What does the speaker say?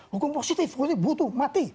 hukum positif hukum positif butuh mati